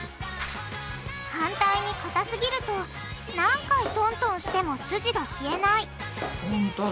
反対にかたすぎると何回トントンしてもすじが消えないほんとだ。